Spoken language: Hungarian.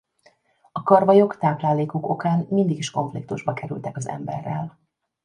A karvalyok táplálékuk okán mindig is konfliktusba kerültek az emberrel.